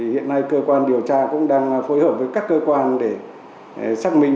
hiện nay cơ quan điều tra cũng đang phối hợp với các cơ quan để xác minh